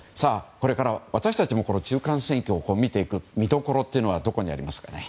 これから私たちも中間選挙を見ていく見どころというのはどこにありますかね？